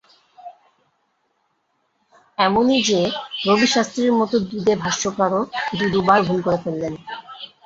এমনই যে, রবি শাস্ত্রীর মতো দুঁদে ভাষ্যকারও দু-দুবার ভুল করে ফেললেন।